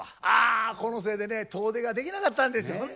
あっこのせいでね遠出ができなかったんです